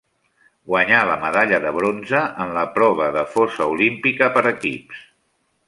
Guanyà la medalla de bronze en la prova de fossa olímpica per equips.